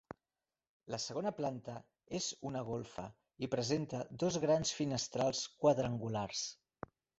La segona planta és una golfa i presenta dos grans finestrals quadrangulars.